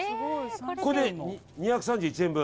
これで２３１円分。